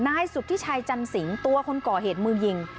นายสุธิชัยจันสิงตัวคนก่อเหตุมือยิง